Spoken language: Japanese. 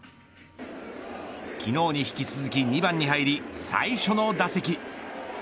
昨日に引き続き２番に入り、最初の打席。